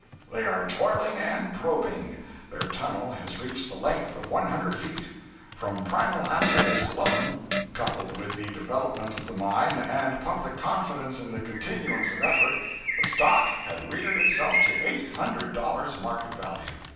They are toiling and probing. Their tunnel has reached the length of one hundred feet. From primal assays alone, coupled with the development of the mine and public confidence in the continuance of effort, the stock had reared itself to eight hundred dollars market value.